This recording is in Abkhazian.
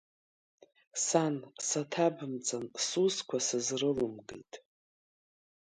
Сан, саҭабымҵан, сусқәа сызрылмгеит.